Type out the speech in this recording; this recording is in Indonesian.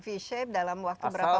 v shape dalam waktu berapa